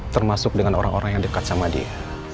termasuk dengan orang orang yang dekat sama dia